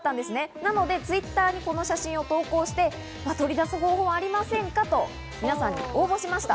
なのでＴｗｉｔｔｅｒにこの写真を投稿して取り出し方法はありませんか？とみなさんに応募しました。